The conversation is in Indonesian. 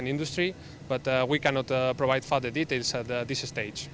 tapi kita tidak bisa memberikan detail lain di tahap ini